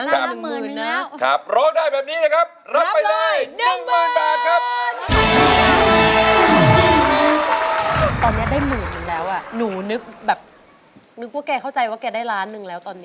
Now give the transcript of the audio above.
นึกว่าแกเข้าใจว่าแกได้ล้านหนึ่งแล้วตอนนี้